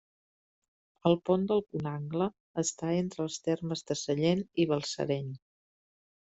El pont del Conangle està entre els termes de Sallent i Balsareny.